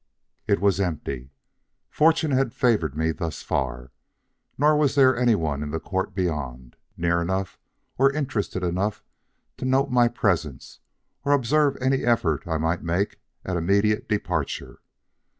"It was empty! Fortune had favored me thus far. Nor was there anyone in the court beyond, near enough or interested enough to note my presence or observe any effort I might make at immediate departure.